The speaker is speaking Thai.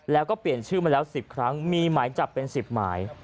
แล้วก็เปลี่ยนชื่อมาแล้ว๑๐ครั้งมีหมายจับเป็น๑๐หมาย